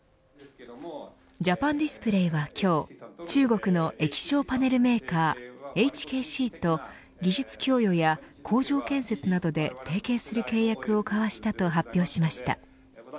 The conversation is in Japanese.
ジャパンディスプレイは、今日中国の液晶パネルメーカーＨＫＣと技術供与や工場建設などで提携する契約を交わしたと発表しました。